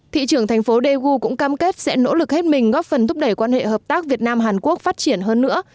thị trưởng thành phố daegu cũng cam kết sẽ nỗ lực hết mình góp phần thúc đẩy quan hệ hợp tác việt nam hàn quốc phát triển hơn nữa